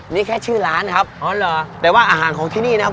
นี่แค่ชื่อร้านครับอ๋อเหรอแต่ว่าอาหารของที่นี่นะครับ